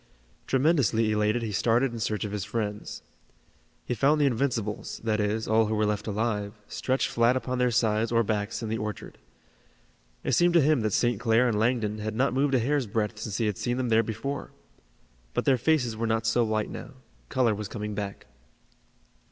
Tremendously elated he started in search of his friends. He found the Invincibles, that is, all who were left alive, stretched flat upon their sides or backs in the orchard. It seemed to him that St. Clair and Langdon had not moved a hair's breadth since he had seen them there before. But their faces were not so white now. Color was coming back.